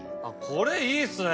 これいいっすね。